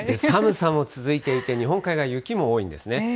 寒さも続いていて、日本海側、雪も多いんですね。